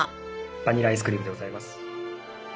バニラアイスクリームでございます。